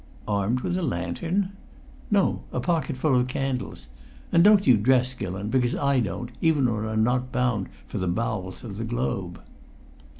"Armed with a lantern?" "No, a pocketful of candles. And don't you dress, Gillon, because I don't, even when I'm not bound for the bowels of the globe."